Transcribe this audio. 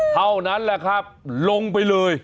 เท่านั้นแหละครับลงไปเลย